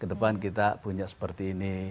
kedepan kita punya seperti ini